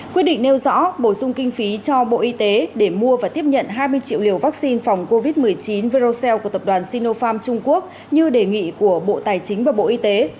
quyết định nêu rõ bổ sung kinh phí cho bộ y tế để mua và tiếp nhận hai mươi triệu liều vaccine phòng covid một mươi chín verocell của tập đoàn sinopharm trung quốc như đề nghị của bộ tài chính và bộ y tế